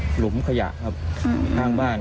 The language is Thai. หลุมขอยะ